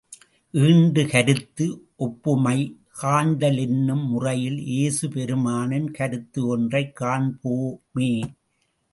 ஈண்டு கருத்து ஒப்புமை காண்டல் என்னும் முறையில் ஏசு பெருமானின் கருத்து ஒன்றைக் காண்போமே.